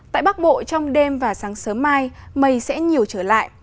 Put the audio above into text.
tại bắc bộ trong đêm và sáng sớm mai mây sẽ nhiều trở lại